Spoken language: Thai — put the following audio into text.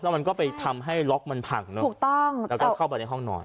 มันก็ไปทำให้ล็อกมันพังเนอะถูกต้องแล้วก็เข้าไปในห้องนอน